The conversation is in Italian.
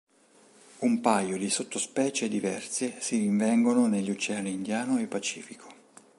Un paio di sottospecie diverse si rinvengono negli oceani Indiano e Pacifico.